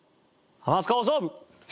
『ハマスカ放送部』！